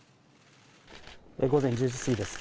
午前１０時過ぎです。